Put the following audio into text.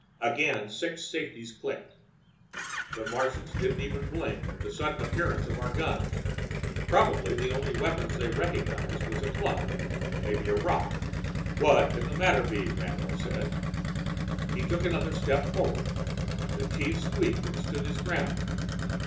Again six safeties clicked. The Martians didn't even blink at the sudden appearance of our guns. Probably the only weapon they recognized was a club, or maybe a rock. "What can the matter be?" Randolph said. He took another step forward. The chief squeaked and stood his ground.